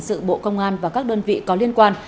cục cảnh sát hình sự bộ công an và các đơn vị có liên quan